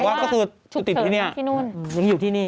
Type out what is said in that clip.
แต่ว่าก็คือจุดติดอยู่ที่นี่